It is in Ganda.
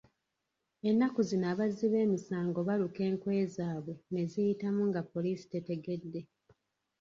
Ennaku zino abazzi b'emisango baluka enkwe zaabwe neziyitamu nga Poliisi tetegedde.